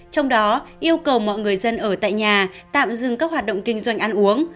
trong đó yêu cầu mọi người dân ở tại nhà tạm dừng các hoạt động kinh doanh ăn uống